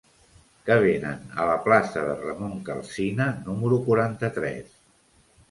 Què venen a la plaça de Ramon Calsina número quaranta-tres?